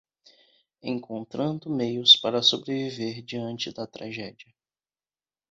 Encontrando meios para sobreviver diante da tragédia